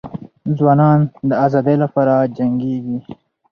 ځوانان د ازادۍ لپاره جنګیږي.